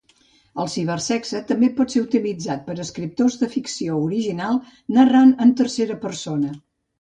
El cibersexe també pot ser utilitzat per escriptors de ficció original narrant en tercera persona.